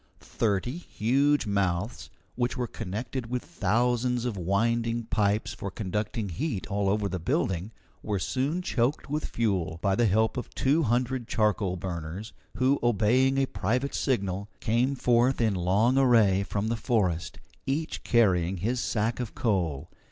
Thirty huge mouths, which were connected with thousands of winding pipes for conducting heat all over the building, were soon choked with fuel, by the help of two hundred charcoal burners, who, obeying a private signal, came forth in long array from the forest, each carrying his sack of coal.